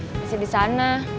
masih di sana